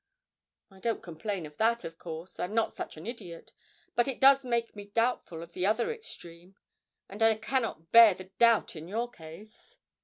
I don't complain of that, of course I'm not such an idiot; but it does make me doubtful of the other extreme. And I cannot bear the doubt in your case!'